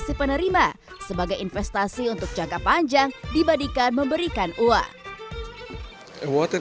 si penerima sebagai investasi untuk jangka panjang dibandingkan memberikan uang water